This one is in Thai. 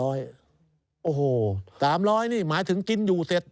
โอ้โห๓๐๐นี่หมายถึงกินอยู่เสร็จ